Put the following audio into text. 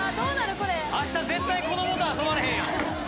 これ明日絶対子供と遊ばれへんやん